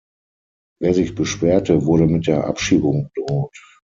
Wer sich beschwerte, wurde mit der Abschiebung bedroht.